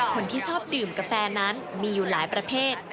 คนที่ชอบดื่มกาแฟนั้นมีอยู่หลายประเภท